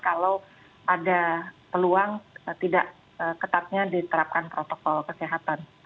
kalau ada peluang tidak ketatnya diterapkan protokol kesehatan